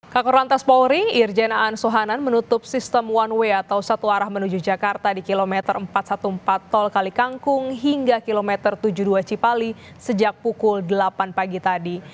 kakor lantas polri irjen aan suhanan menutup sistem one way atau satu arah menuju jakarta di kilometer empat ratus empat belas tol kalikangkung hingga kilometer tujuh puluh dua cipali sejak pukul delapan pagi tadi